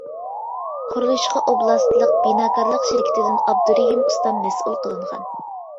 قۇرۇلۇشقا ئوبلاستلىق بىناكارلىق شىركىتىدىن ئابدۇرېھىم ئۇستام مەسئۇل قىلىنغان.